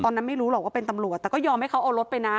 ไม่รู้หรอกว่าเป็นตำรวจแต่ก็ยอมให้เขาเอารถไปนะ